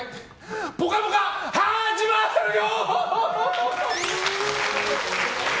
「ぽかぽか」、始まるよ！